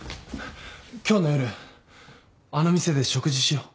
今日の夜あの店で食事しよ。